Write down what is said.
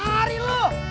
jangan lari lo